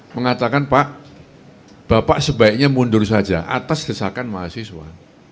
mengatakan pak bapak sebaiknya mundur saja atas desakan mahasiswa